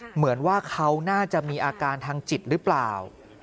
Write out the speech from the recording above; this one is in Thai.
เหมือนว่าเขาน่าจะมีอาการทางจิตหรือเปล่า